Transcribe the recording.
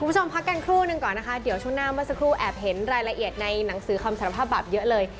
พักกันครู่หนึ่งก่อนนะคะเดี๋ยวช่วงหน้าเมื่อสักครู่แอบเห็นรายละเอียดในหนังสือคำสารภาพบาปเยอะเลย